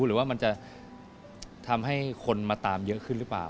หรือว่ามันจะทำให้คนมาตามเยอะขึ้นหรือเปล่า